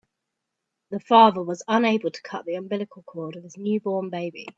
The father was unable to cut the umbilical cord of his newborn baby.